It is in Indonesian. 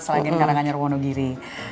selain karanganyarwono giri